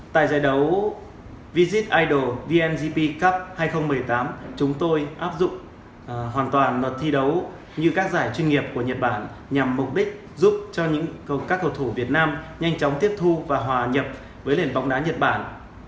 tại giải đấu visit idol vngp cup hai nghìn một mươi tám chúng tôi áp dụng hoàn toàn luật thi đấu như các giải chuyên nghiệp của nhật bản nhằm mục đích giúp cho các cầu thủ việt nam nhanh chóng tiếp thu và hòa nhập với lệnh bóng đá nhật bản